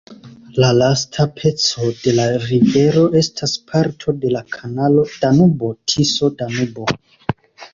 La lasta peco de la rivero estas parto de la kanalo Danubo-Tiso-Danubo.